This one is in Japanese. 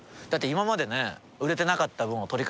今までね。